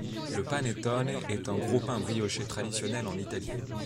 Le panettone est un gros pain brioché traditionnel en Italie.